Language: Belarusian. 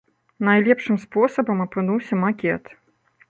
Найлепшым спосабам апынуўся макет.